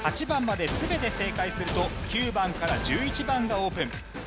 ８番まで全て正解すると９番から１１番がオープン。